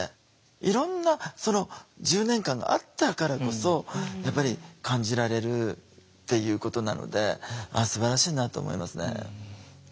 いろんなその１０年間があったからこそやっぱり感じられるっていうことなのですばらしいなと思いますね。